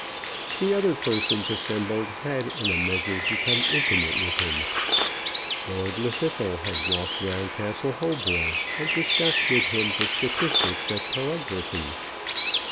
The other persons assembled had in a measure become intimate with him. Lord Llwddythlw had walked round Castle Hautboy and discussed with him the statistics of telegraphy.